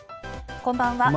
こんばんは。